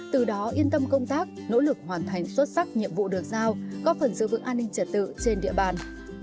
từ đó yên tâm công tác nỗ lực hoàn thành xuất sắc nhiệm vụ được giao có phần giữ vững an ninh trật tự trên địa bàn